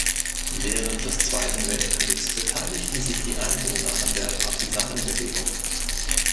Während des Zweiten Weltkriegs beteiligten sich die Einwohner an der Partisanenbewegung.